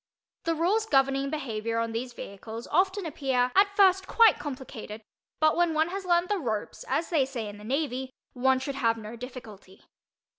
The rules governing behavior on these vehicles often appear at first quite complicated, but when one has learned the "ropes," as they say in the Navy, one should have no difficulty.